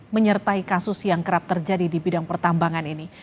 menyertai kasus yang kerap terjadi di bidang pertambangan ini